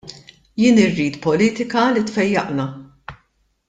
Jien irrid politika li tfejjaqna.